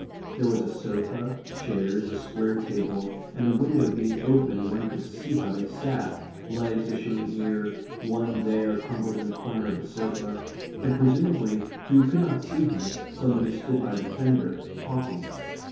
There was a sofa, chairs, a square table, and the window being open, one could see how they sat legs issuing here, one there crumpled in a corner of the sofa; and, presumably, for you could not see him, somebody stood by the fender, talking.